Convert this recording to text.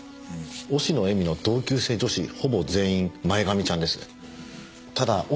忍野絵美の同級生女子ほぼ全員前髪ちゃんですね。